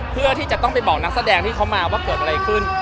เพื่อที่จะต้องไปบอกนักแสดงที่เขามาว่าเกิดอะไรขึ้น